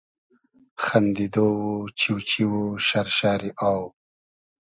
خئندیدۉ و چیو چیو و شئر شئری آو